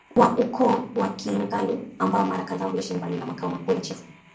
wa Ukoo wa Kingalu ambao mara kadhaa huishi mbali na makao makuu ya Chifu